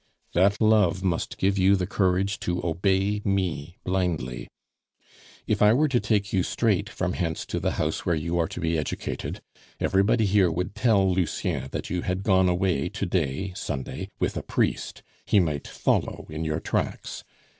"That love must give you the courage to obey me blindly. If I were to take you straight from hence to the house where you are to be educated, everybody here would tell Lucien that you had gone away to day, Sunday, with a priest; he might follow in your tracks.